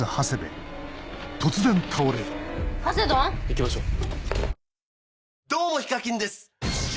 行きましょう。